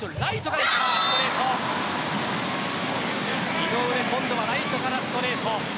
井上、ライトからストレート。